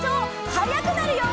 はやくなるよ！」